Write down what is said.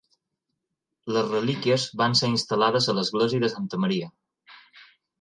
Les relíquies van ser instal·lades a l'església de Santa Maria.